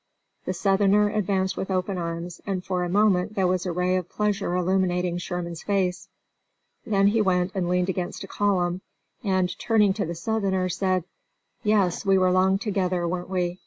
The Southerner advanced with open arms, and for a moment there was a ray of pleasure illuminating Sherman's face. Then he went and leaned against a column, and, turning to the Southerner, said, "Yes, we were long together, weren't we?"